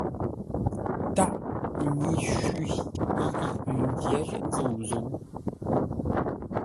Tâʼ nyǐ shwî yi m mbyěr nzû zǔ.